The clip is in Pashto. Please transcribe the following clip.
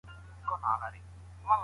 د انځورګر جونګړه